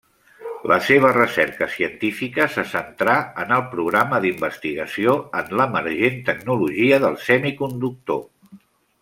La seva recerca científica se centrà en el programa d'investigació en l'emergent tecnologia del semiconductor.